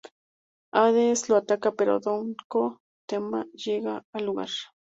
Hades lo ataca pero Dohko y Tenma llegan al lugar.